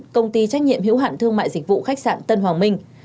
công ty trách nhiệm hữu hạn thương mại dịch vụ khách sạn tân hoàng minh